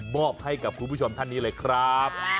มอบให้กับคุณผู้ชมท่านนี้เลยครับ